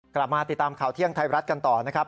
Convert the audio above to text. กลับมาติดตามข่าวเที่ยงไทยรัฐกันต่อนะครับ